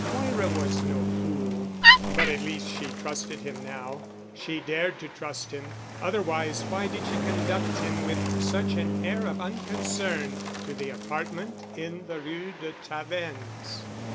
Moira was no fool. But at least she trusted him now. She dared to trust him. Otherwise, why did she conduct him with such an air of unconcern to the apartment in the Rue de Tavennes?